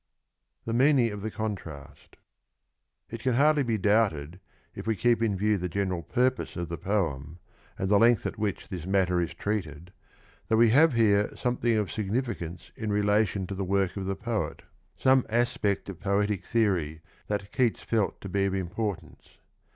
Tho meaning It can hardly be doubted, if we keep in view the of the conimst. '^ general purpose of the poem, and the length at which this matter is treated, that we have here something of signifi cance in relation to the work of the poet, some aspect of poetic theory that Keats felt to be of importance.